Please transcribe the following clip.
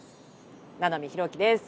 七海ひろきです。